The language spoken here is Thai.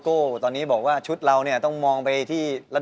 ก็ต้องไปเจอกับพวกในวิทย์ทีมโมเฮเชีย